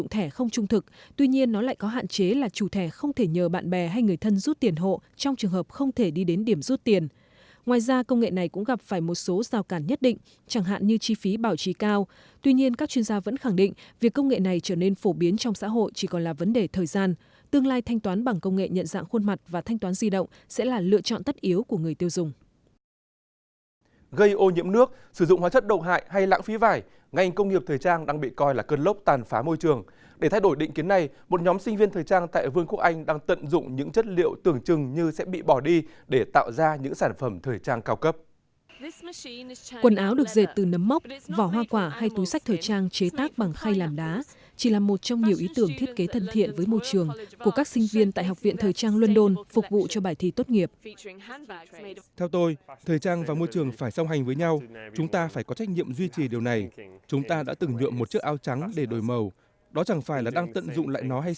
theo tôi thời trang và môi trường phải song hành với nhau chúng ta phải có trách nhiệm duy trì điều này chúng ta đã từng nhuộm một chiếc áo trắng để đổi màu đó chẳng phải là đang tận dụng lại nó hay sao chúng ta cần những phương pháp mới để bảo vệ môi trường